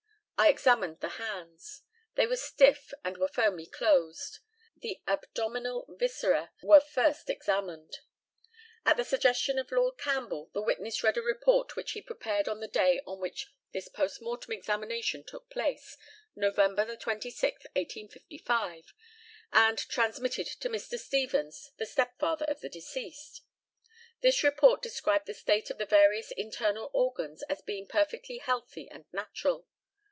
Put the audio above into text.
I examined the hands. They were stiff, and were firmly closed. The abdominal viscera were first examined. At the suggestion of LORD CAMPBELL, the witness read a report which he prepared on the day on which this post mortem examination took place, November 26th, 1855, and transmitted to Mr. Stevens, the step father of the deceased. This report described the state of the various internal organs as being perfectly healthy and natural.